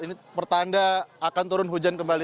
ini pertanda akan turun hujan kembali